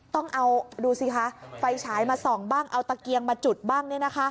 ต้องเอาดูสิคะไฟฉายมาส่องบ้างเอาตะเกียงมาจุดบ้าง